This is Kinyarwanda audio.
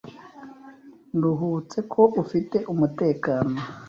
Nduhutse ko ufite umutekano.